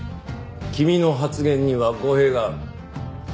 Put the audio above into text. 君の発言には語弊がある。